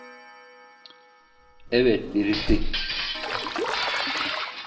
Evet, birisi…